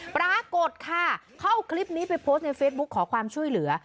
ปรากฏค่ะเขาเอาคลิปนี้ไปโพสต์ในเฟซบุ๊คขอความช่วยเหลือ